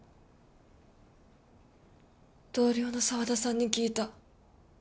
同僚の沢田さんに聞いた。